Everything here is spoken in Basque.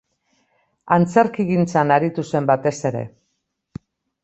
Antzerkigintzan aritu zen batez ere.